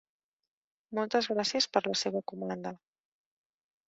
Moltes gràcies per la seva comanda.